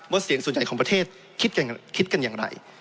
เสียงส่วนใหญ่ของประเทศคิดกันอย่างไร